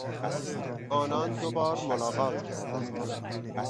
آنان دوبار ملاقات کردند.